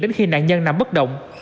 đến khi nạn nhân nằm bất động